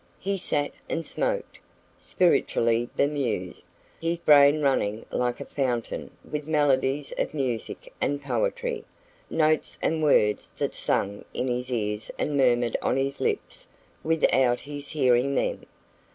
He sat and smoked, spiritually bemused, his brain running like a fountain with melodies of music and poetry, notes and words that sang in his ears and murmured on his lips without his hearing them.